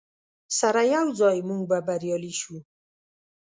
سره یوځای موږ به بریالي شو.